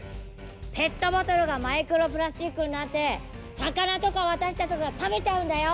ペットボトルがマイクロプラスチックになって魚とか私たちとかが食べちゃうんだよ！